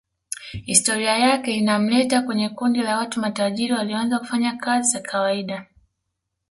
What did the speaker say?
Historia yake inamleta kwenye kundi la watu matajiri walioanza kufanya kazi za kawaida